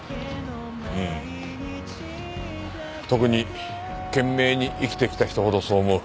うん特に懸命に生きてきた人ほどそう思う。